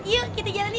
yuk kita jalan yuk